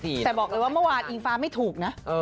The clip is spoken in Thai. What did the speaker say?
แต่บอกเลยว่าเมื่อวานอิงฟ้าไม่ถูกนะ